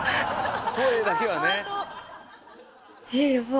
声だけはね。